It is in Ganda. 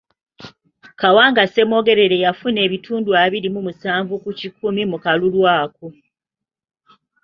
Kawanga Semwogerere yafuna ebitundu abiri mu musanvu ku kikumi mu kalulu ako.